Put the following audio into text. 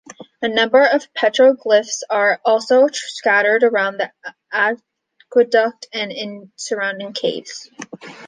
A number of petroglyphs are also scattered around the aqueduct and in surrounding caves.